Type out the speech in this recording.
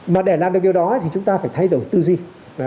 mà để làm được điều đó thì chúng ta phải thay đổi tư duy